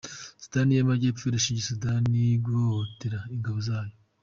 Sudani y’Amajyepfo irashinja Sudani gushotora ingabo zayo